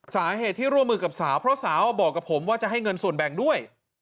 สาเหตุที่ร่วมมือกับสาวเพราะสาวบอกกับผมว่าจะให้เงินส่วนแบ่งด้วย